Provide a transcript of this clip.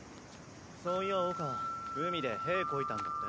そういや桜花海で屁こいたんだって？